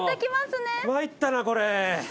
参ったなこれ。